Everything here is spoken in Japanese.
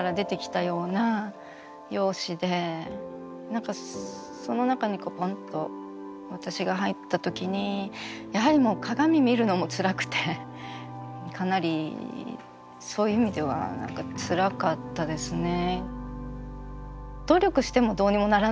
何かその中にポンと私が入った時にやはり鏡見るのもつらくてかなりそういう意味ではつらかったですね。